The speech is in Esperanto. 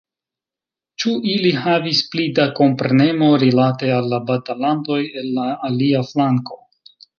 Ĉu ili havis pli da komprenemo rilate al la batalantoj el la alia flanko?